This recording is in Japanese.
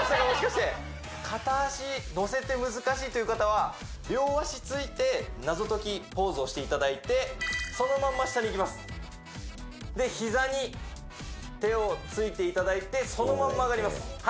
もしかして片足のせて難しいという方は両足ついて謎解きポーズをしていただいてそのまんま下にいきますで膝に手をついていただいてそのまんま上がります